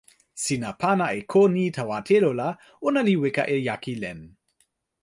sina pana e ko ni tawa telo la ona li weka e jaki len.